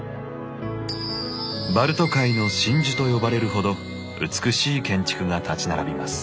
「バルト海の真珠」と呼ばれるほど美しい建築が立ち並びます。